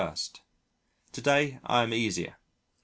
To day I am easier.